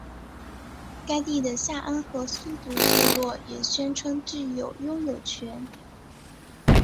该地的夏安河苏族部落也宣称具有拥有权。